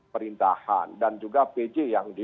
perintahan dan juga pj